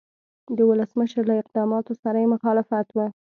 د ولسمشر له اقداماتو سره یې مخالفت و.